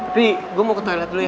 tapi gue mau ke toilet dulu ya